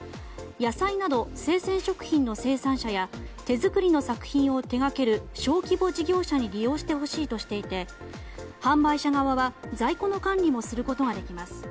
野菜など生鮮食品の生産者や手作りの作品を手掛ける小規模事業者に利用してほしいとしていて販売者側は在庫の管理もすることができます。